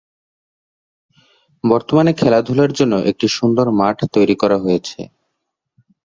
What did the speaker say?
বর্তমানে খেলাধুলার জন্য একটি সুন্দর মাঠ তৈরি করা হয়েছে।